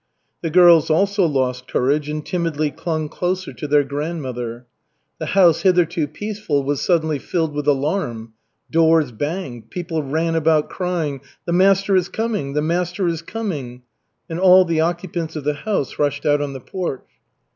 The girls also lost courage, and timidly clung closer to their grandmother. The house hitherto peaceful was suddenly filled with alarm. Doors banged, people ran about crying, "The master is coming, the master is coming!" and all the occupants of the house rushed out on the porch.